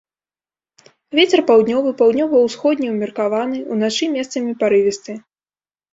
Вецер паўднёвы, паўднёва-ўсходні ўмеркаваны, уначы месцамі парывісты.